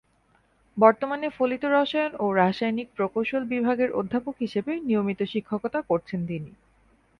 বর্তমানে ফলিত রসায়ন ও রাসায়নিক প্রকৌশল বিভাগের অধ্যাপক হিসেবে নিয়মিত শিক্ষকতা করছেন তিনি।